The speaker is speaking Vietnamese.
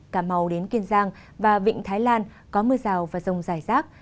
cà mau đến kiên giang và vịnh thái lan có mưa rào và rông rải rác